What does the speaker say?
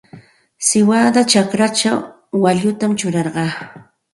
Siwada chakrachaw waallutam churarqaa.